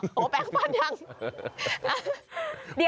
โอ้โหแปลกพันธุ์อย่าง